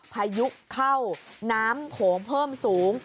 พายุเข้าน้ำโขงเพิ่มสูง